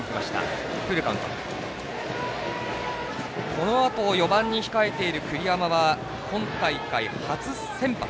このあと４番に控えている栗山は今大会、初先発。